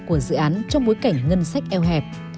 của dự án trong bối cảnh ngân sách eo hẹp